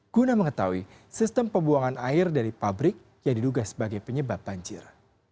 guna mengetahui sistem pembuangan air dari pabrik yang diduga sebagai penyebab banjir